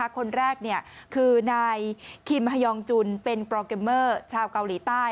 คนแรกคือนายคิมฮยองจุนเป็นโปรแกรมเมอร์ชาวเกาหลีใต้